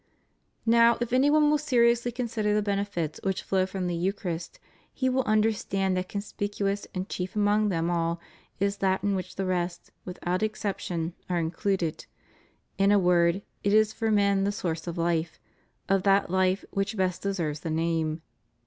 Now if any one will seriously consider the benefits which flow from the Eucharist he will understand that conspicuous and chief among them all is that in which the rest, without exception, are included ; in a word, it is for men the source of life, of that life which best deserves the name.